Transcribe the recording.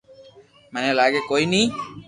مني لاگي ڪوئي ني